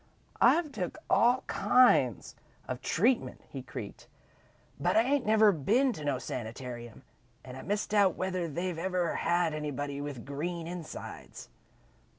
"I've took all kinds of treatment," he creaked, "but I ain't never been to no sanitarium, an' I misdoubt whether they've ever had anybody with green insides.